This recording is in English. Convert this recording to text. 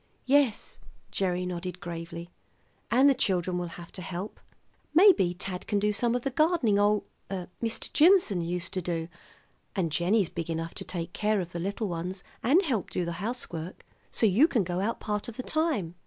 "Yes," Gerry nodded gravely, "and the children will have to help. Maybe Tad can do some of the gardening ol Mr. Jimson used to do, and Jennie's big enough to take care of the little ones and help do the housework so you can go out part of the time."